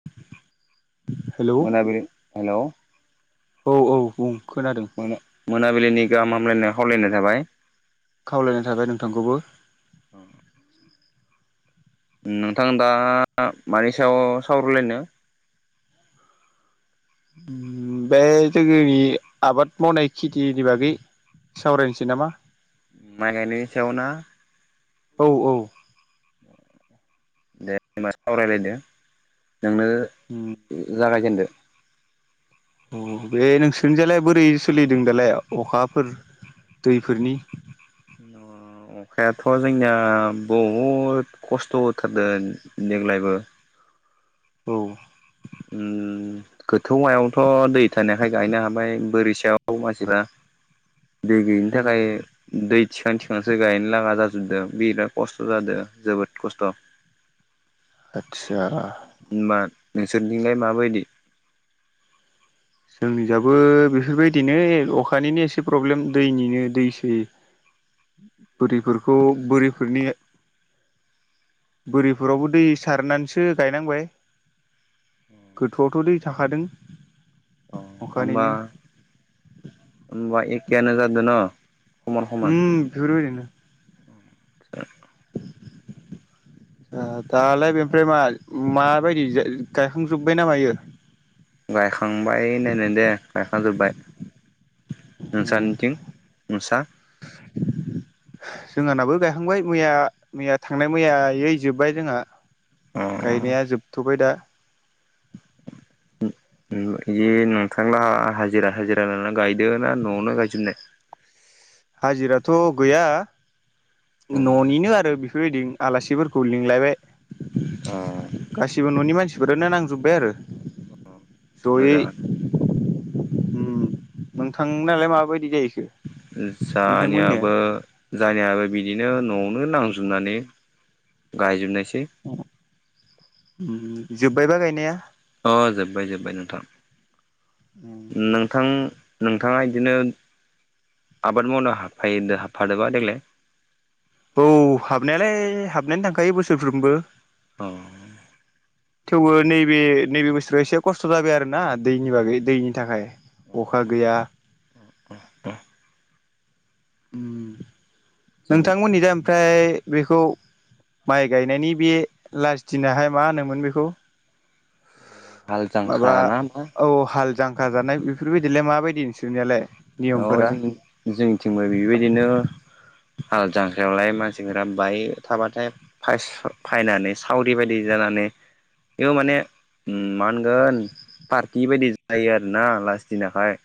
[inaudible] मोनाबिलि हेल'। औ औ बुं खोनादों। मोनाबिलिनि गाहाम हामलायनाय खावलायनाय थाबाय। खावलायनाय थाबाय नोंथांखौबो। नोंथां दा मानि सायाव सावरायलायनो? बे जोंनि आबाद मावनाय खेथिनि बागै सावरायनोसै नामा? माइ गायनायनि सायाव ना? औ औ दे बिदिबा सावरायलायदो नोंनो उम जागायजेनदो। अ बे नोंसोरनिजालाय बोरै सोलिदों दालाय अखाफोर दैफोरनि उम अखायाथ' जोंनिया बहुद खस्थ' होथारदों देग्लायबो औ उम गोथौ मायावथ' दै थानायखाय गायनो हाबाय बोरिसायाव मानसिफ्रा दै गैयिनि थाखाय दै थिखां थिखांसो गायनो लागा जाजोबदों बिराद खस्थ' जादों जोबोद खस्थ' आच्छा। होनबा नोंसोरजोंलाय माबायदि? जोंनियाबो बेफोरबायदिनो अखानिनो एसे प्रब्लेम दैनिनो दैसै बोरिफोरखौ बोरिफोरनि बोरिफोरावबो दै सारनानैसो गायनांबाय गोथौआवथ' दै थाखादों अ होनबा अखानिनो होनबा एखेआनो जादों न'? समान समान उम बिफोर ओरैनो ओ दालाय बेनिफ्राय मा माबायदि गायखांजोब्बाय नामायो गायखांबाय होन्नायानो दे गायखां जोबबाय नोंस्रानिथिं नोंसा [inaudible] जोंहानाबो गायखांबाय मैया मैया थांनाय मैयै जोब्बाय जोंहा अ गायनाया जोबथ'बाय दा। उम इयो नोंथांना हाजिरा हाजिरा लानानै गायदो ना न'आवनो गायजोबनाय? हाजिराथ' गैया अ न'निनो आरो बेफोरबायदि आलासिफोरखौ लिंलायबाय अ गाससिबो न'नि मानसिफोरानो नांजोब्बाय आरो जयै मोजाङानो नोंथांनालाय मा बायदि गायहैखो जानियाबो जानियाबो बिदिनो न'आवनो नांजोबनानै गायजोबनायसै जोब्बायबा गायनाया अ जोबबाय जोब्बाय नोंथां नोंथां नोंथाङा बिदिनो आबाद मावनो हाबफायो हाबफादोबा देग्लाय औ हाबनायालाय हाबनायानो थांखायो बोसोरफ्रोमबो अ [inaudible] थेवबो नैबे नैबे बोसोराव एसे खस्थ' जाबाय आरो ना दैनि बागै दैनि थाखाय अखा गैया उम उम जों नोंथांमोननि दा ओमफ्राय बेखौ माइ गायनायनि बे लास दिनहाय मा होनोमोन बेखौ हाल माबा जांख्रा ना मा औ हाल जांक्रा जानाय बेफोरबायदिलाय माबायदि नोंसोरनियालाय औ नियमफोरा जों जोंनिथिंबो बेबायदिनो हाल जांख्रायावलाय मानसिफोरा बाय थाबाथाय फायस फायनानै सावरि बायदि जानानै बेबो माने उम मा होनगोन पारटि बायदि जायो आर ना लास दिनाहाय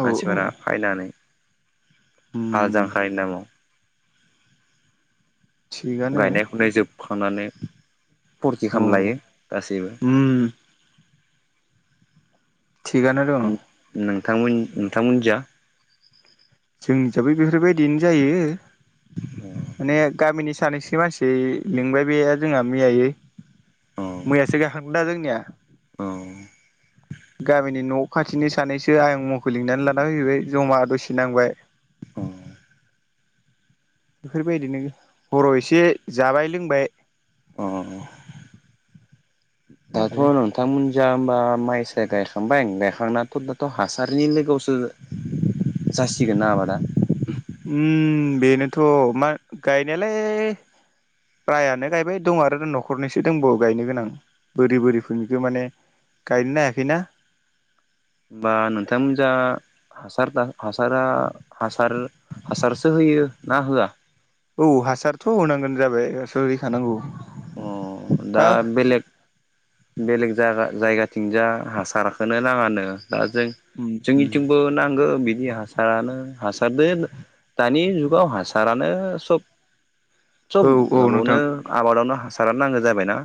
औ मानसिफोरा फायनानै उम हाल जांख्रानि नामाव थिगानो गायनाय फुनाय जोबखांनानै फुरथि औ खालामलायो गासैबो उम थिगानानो दंङ। नोंथांमोन नोंथांमोन जा जोंनि जाबो बेफोरबायदिनो जायो माने गामिनि सानैसो मानसि बै लिंबाय बे जोंहा मैयै मैयासो गाखांदो दा जोंनिया औ गामिनि न' खाथिनि सानैसो आइं मुंखौ लिंनानै लाना फैजोब्बाय जमा दसे नांबाय उम बेफोरबायदिनो हरआव एसे जाबाय लोंबाय अ दाथ' आरो नों नोंथांमोनजा होमबा माइ साय गायखांबाय गायखांनााथ' दाथ' हासारनि लोगोआवसो जासिगोन ना आबादा उम बेनोथ' मा गायनायालाय प्रायानो गायबाय दं आरो न'खरनिसो दंबावो गायनो गोनां बोरि बोरिफोरनिखौ माने गायनोनो हायाखैना। बा नोंथांमोन जा हासार हासारा हासार हासारसो होयो ना होआ औ हासारथ' होनांगोन जाबाय हैखानांगौ अ दा हा बेलेग बेलेग जायगा जायगाथिंज हासारखोनो नाङानो दा जों उम उम जोंनिथिंबो नांगौ बिदि हास आनो हासारदो दानि जुगाव हासारानो सब सब औ औ माबावनो नोंथां आबादावनो हासारानो नांगौ जाबायना।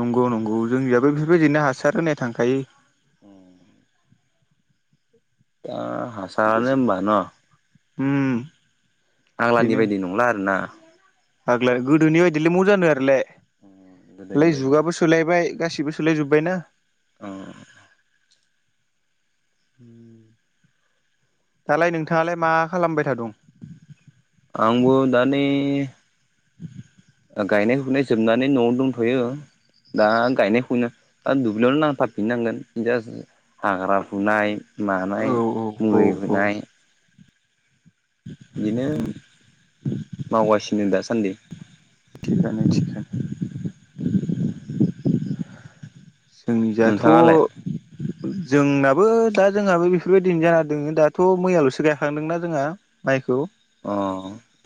नंगौ नंगौ जोंनियाबो बेफोरबायदिनो हासार होनाय थांखायो। उम दा आ होमबा न' उम आग्लानि बायदि नंला आरोना। आग्लाया गोदोनि बायदिलाय म जानो आरोलाय ले गोदोनि बायदि जुगाबो सोलायबाय गासिबो सोलायजोब्बाय ना। अअअ उम। दालाय नोंथाङालाय मा खालामबाय थादं आंबो दानि गायनाय फुनाय जोबनानै न'आव दंथ'यो। दा गायनायखौनो दा दुब्लियावनो नांथाबफिननांगोन हाग्रा फुनाय मानाय औ औ औ मुलि औ होनाय। बिदिनो मावगासिनो दासान्दि। थिगानो थिगा जोंनि जाथ' नोंथाङालाय जोंनाबो दा जोंहाबो बेफोरबायदिनो जाना दोङो दाथ' मैयाल'सो गायखांदोंना जोंहा माइखौ। अ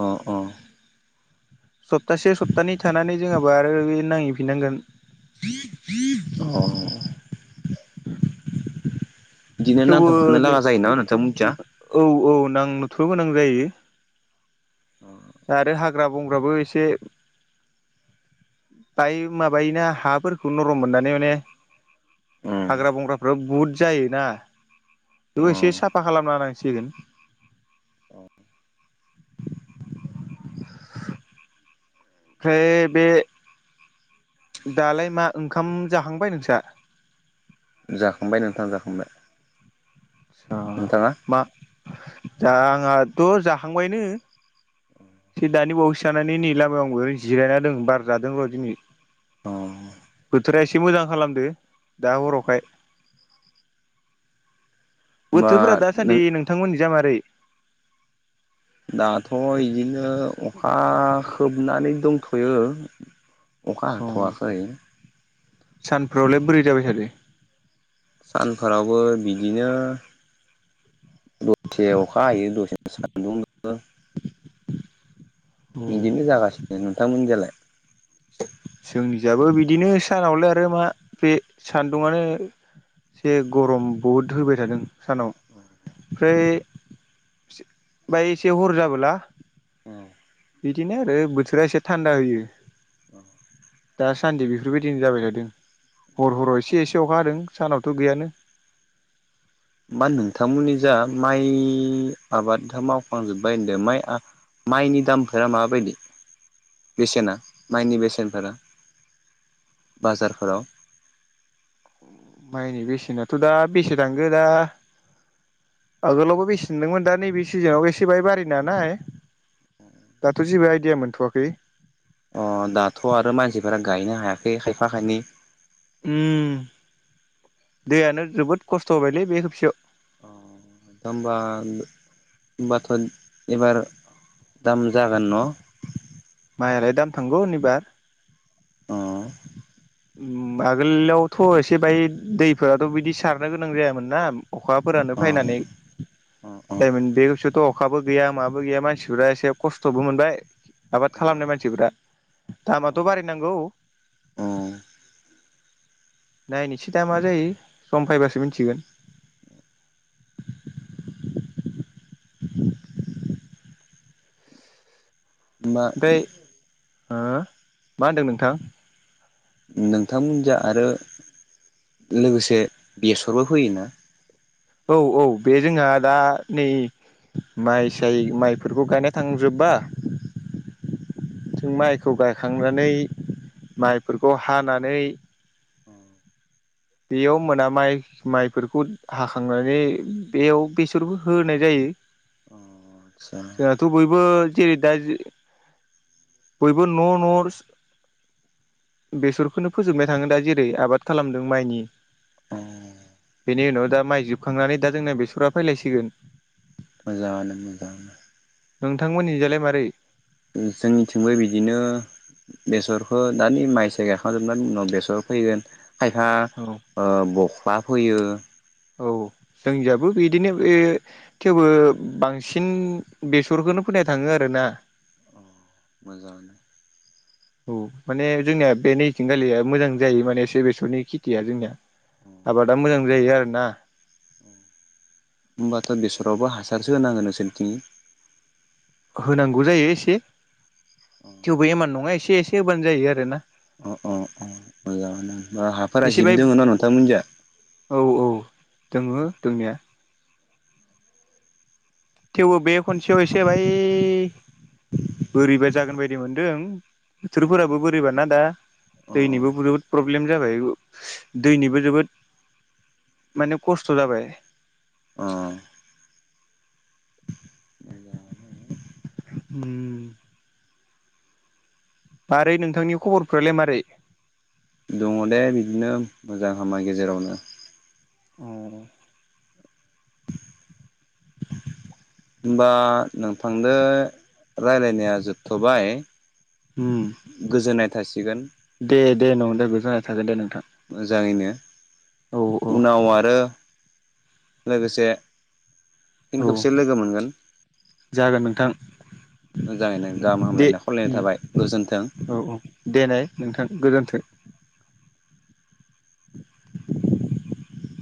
अ अ। सप्तासे सप्तानै थानानै जोंहाबो आरो नांहैफिननांगोन। अ बिदिनो थेवबो नांथाब खानो लागा जायो ना नोंथ' मिथिया। औ औ नां नुथ' गोनां जायो। अ दा आरो हाग्रा बंग्राबो एसे दाय माबायोना हाफोरखौ नरम मोननानै माने अ हाग्रा बंग्राफ्रा बुद जायोना। बेबो अ एसे साफा खालामना होनांसिगोन। ओमफ्राय बे दालाय मा ओंखाम जाखांबाय नोंस्रा? जाखांबाय नोंथां जाखांबाय। आसा नोंथाङा मा जांआथ' जाखांबायनो। ए दानि बावैसो जानानै नै लामायावंबो जिरायना दोङो बार जादों र' दिनै। अ होमबा बोथोरा एसे मोजां खालामदो दा हरावखाय। बोथोरफोरा नों दासान्दि नोंथांमोननि जा मारै? दाथ' इदिनो अखा खोबनानै दंथ'यो‌। अखा औ हाथ'वाखै। सानफ्रावलाय बोरै जाबाय थादो? सानफोरावबो बिदिनो दसे अखा हायो दसे सान। औ बिदिनो जागासिनो नोंथांमोनजोंलाय? जोंनिजाबो बिदिनो सानावलाय आरो मा बे सान्दुंआनो एसे गरम बहुद होबाय थादों। सानाव ओमफ्राय बाय एसे हर जाबोला औ। बिदिनो आरो बोथोरा एसे थान्दा होयो। अ। दासान्दि बेफोरबायदिनो जाबाय थादों हर हराव एसे एसे अखा हादों सानावथ' गैयानो। मा नोंथांमोननि जा माइ आबादा मावखांजोब्बाय होनदों माइ माइनि दामफोरा माबायदि बेसेना माइनि बेसेनफोरा? बाजारफोराव माइनि बेसेनाथ' दा बेसे थांखो दा आगोलावबो बेसे मोनदोंमोन दा नैबे सिजोनाव एसे बाय बारिनो हानाय। दाथ' जेबो आइडिया मोनथ'वाखै। अ' दाथ' आरो मानसिफोरा गायनो हायाखै खायफा खायनै उम दैयानो जोबोद खस्थ' होबायलै बे खबसेयाव। अ' दा होमबा होमबाथ' एबार दाम जागोन न'? माइयालाय दाम थांगोन एबार। अ'। उम आगोलावथ' एसे बाय दैफोराथ' बिदि सारनो गोनां जायामोन ना। अखाफोरानो औ फैनानै जायोमोन बे बोसोरथ' अखाबो गैया माबो गैया मानसिफोरा एसे खस्थ'बो मोनबाय आबाद खालामनाय मानसिफोरा दामाथ' बारनांगौ। औ। नायनोसै दामा जायो सम फैबासो मिथिगोन। ओमफाय ओ मा होनदों नोंथां? नोंथांमोनजों आरो लोगोसे बेसरबो फैयोना? औ औ बे जोंहा दा नै माइ साय माइफोरखौ गायना थांजोबबा जों माइखौ गायखांनानै माइफोरखौ हानानै बेयाव मोना माइ माइफोरखौ हाखांनानै बेयाव बेसरखौ होनाय जायो। अ' आतसा। थ' बयबो जेरै दा बयबो न'-न' बेसरखौनो फोजोबनाय थाङो दा जेरै आबाद खालामदों माइनि अ बेनि उनाव दा माइ जोबखांनानै दा जोंना बेसरा फैलायसिगोन। मोजाङानो मोजाङानो। नोंथांमोननिजालाय मारै? जोंनिथिंबो बिदिनो बेसरखौ दानि माइ साइ गायखांजोबनायनि उनाव बेसर फोगोन खायफा औ। ओ बख्ला फोयो औ जोंनियाबो बिदिनो बे थेवबो बांसिन बेसरखौनो फैनाय थाङो आरोना। मोजाङानो। औ माने जोंनिया बे नैथिंगालिया मोजां जायो माने से बेसरनि खेथिया जोंनिया। आबादा मोजां जायो आरोना। ओं होनोमबाथ' बेसरावबो हासारसो होनांगोन नोंसोरथिंनि? होनांगौ जायो एसे। अ'। थेवबो एमान नङा एसे एसे होबानो जायो आरो ना। अ'-अ'-अ' मोजाङानो हाफोरा एसे बाय जिब दङना नोंथांमोननिजा? औ औ दोङो दोंनाया। थेवबो बे खनसेयाव एसे बाय बोरैबा जागोन बायदि मोनदों। बोथोरफोराबो बोरैबाना दा दैनिबो बुहुद प्र प्रब्लेम जाबाय दैनिबो जोबोद माने खस्थ' जाबाय अ मोजाङानो उम मारै नोंथांनि खबरफ्रालाय मारै? दंङ दे बिदिनो मोजां हामा गेजेरावनो। औ। [inaudible] होमबा नोंथांदो राय्लायनाया जोबथ'बाय। गोजोननाय थासिगोन। दे दे नदो जाना थागोन दे नोंथां मोजाङैनो औ औ उनाव आरो लोगोसे फिन औ खेबसे लोगो मोनगोन जागोन नोंथां। मोजाङैनो गाहाम दे हामलायनाय खावलायनाय उम थाबाय गोजोन्थों। औ औ दे नाय नोंथां गोजोन्थों [unintelligible]